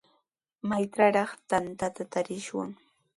¿Maytrawraq tantata tarishwan?